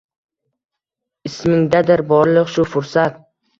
Izmingdadir borliq shu fursat.